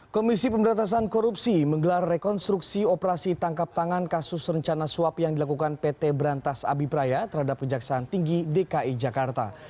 komisi pemberantasan korupsi menggelar rekonstruksi operasi tangkap tangan kasus rencana suap yang dilakukan pt berantas abipraya terhadap kejaksaan tinggi dki jakarta